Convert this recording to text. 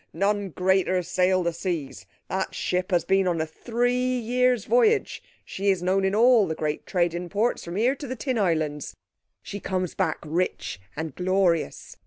_ None greater sail the seas. That ship has been on a three years' voyage. She is known in all the great trading ports from here to the Tin Islands. She comes back rich and glorious.